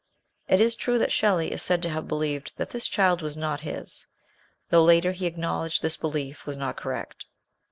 It is true that Shelley is said to have believed that this child was not his, though later he acknowledged this belief was not correct.